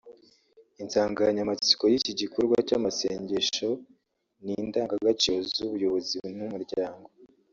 Insanganyamatsiko y’iki gikorwa cy’amasengesho ni “Indangagaciro z’ubuyobozi n’umuryango”